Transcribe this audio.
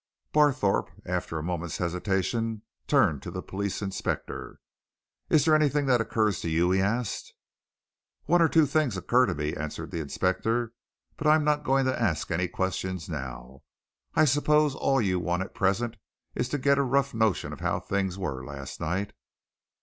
Barthorpe, after a moment's hesitation, turned to the police inspector. "Is there anything that occurs to you?" he asked. "One or two things occur to me," answered the inspector. "But I'm not going to ask any questions now. I suppose all you want at present is to get a rough notion of how things were last night?"